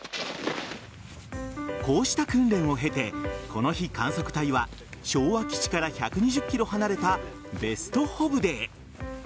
こうした訓練を経てこの日、観測隊は昭和基地から１２０ｋｍ離れたベストホブデへ。